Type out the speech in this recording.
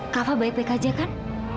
kava baik baik aja kan